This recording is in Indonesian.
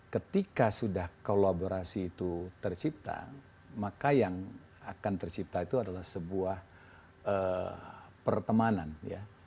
ketika sudah kolaborasi itu tercipta maka yang akan tercipta itu adalah sebuah pertemanan ya